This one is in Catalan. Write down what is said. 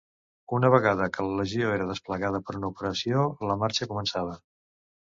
Una vegada que la legió era desplegada per una operació, la marxa començava.